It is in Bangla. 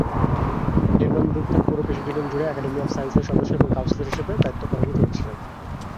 হেরমান ব্রুক তার পুরো পেশাজীবন জুড়ে একাডেমি অফ সায়েন্সের সদস্য এবং কাউন্সিলর হিসাবে দায়িত্ব পালন করেছিলেন।